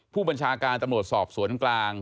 ผู้บัญชาการตำรวจสอบสวนกลาง